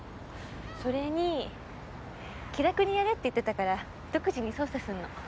それに気楽にやれって言ってたから独自に捜査するの。